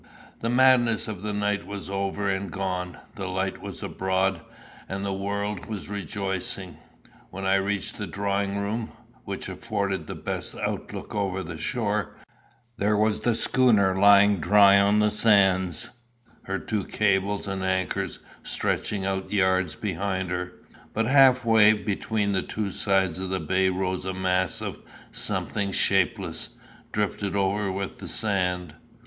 The madness of the night was over and gone; the light was abroad, and the world was rejoicing. When I reached the drawing room, which afforded the best outlook over the shore, there was the schooner lying dry on the sands, her two cables and anchors stretching out yards behind her; but half way between the two sides of the bay rose a mass of something shapeless, drifted over with sand.